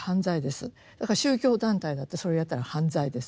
だから宗教団体だってそれをやったら犯罪です。